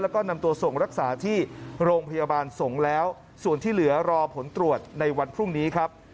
แล้วก็นำตัวส่งรักษาที่โรงพยาบาลสงฆ์แล้วส่วนที่เหลือรอผลตรวจในวันพรุ่งนี้ครับ